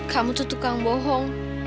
kamu tuh tukang bohong